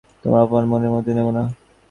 তোমার অপমান মনের মধ্যে নেব না।